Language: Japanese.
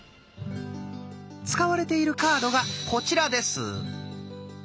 使われているカードがこちらです。